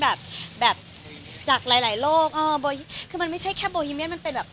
แบบแบบจากหลายหลายโลกอ๋อคือมันไม่ใช่แค่มันเป็นแบบ